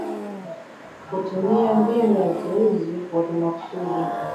kutumia mbinu ya uteuzi wa kimaksudi